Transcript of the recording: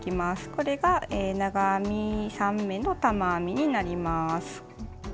これが長編み３目の玉編みになります。